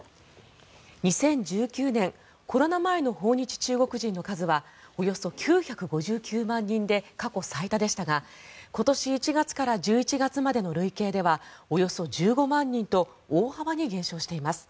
２０１９年コロナ前の訪日中国人の数はおよそ９５９万人で過去最多でしたが今年１月から１１月までの累計ではおよそ１５万人と大幅に減少しています。